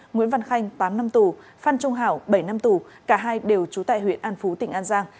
nguyễn văn khanh tám năm tù phan trung hảo bảy năm tù cả hai đều trú tại huyện an phú tỉnh an giang